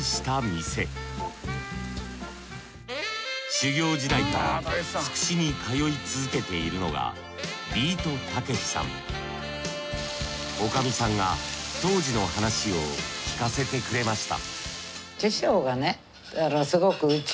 修業時代からつくしに通い続けているのが女将さんが当時の話を聞かせてくれました